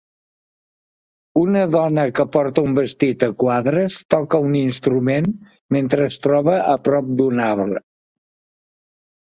Una dona que porta un vestit a quadres toca un instrument mentre es troba a prop d'un arbre.